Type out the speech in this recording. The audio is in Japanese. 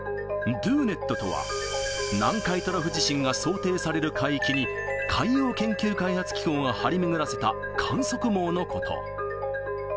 ＤＯＮＥＴとは、南海トラフ地震が想定される海域に、海洋研究開発機構が張り巡らせた観測網のこと。